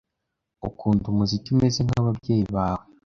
Ukunda umuziki umeze nkababyeyi bawe?